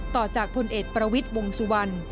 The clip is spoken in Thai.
ต่อจากพลเอกประวิทย์วงสุวรรณ